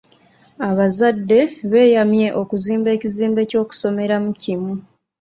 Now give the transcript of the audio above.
Abazadde beeyamye okuzimba ekizimbe ky'okusomeramu kimu.